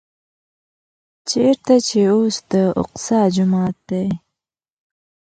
چېرته چې اوس د الاقصی جومات دی.